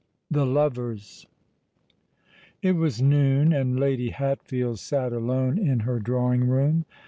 THE LOVERS. It was noon; and Lady Hatfield sate alone in her drawing room.